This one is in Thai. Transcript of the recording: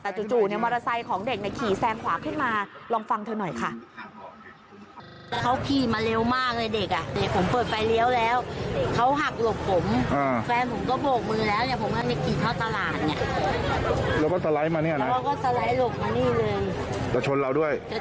แต่จู่มอเตอร์ไซค์ของเด็กขี่แซงขวาขึ้นมาลองฟังเธอหน่อยค่ะ